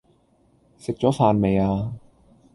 食左飯未呀